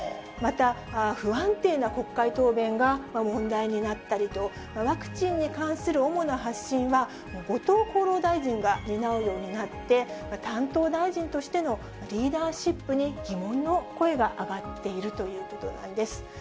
また不安定な国会答弁が問題になったりと、ワクチンに関する主な発信は後藤厚労大臣が担うようになって、担当大臣としてのリーダーシップに疑問の声が上がっているということなんです。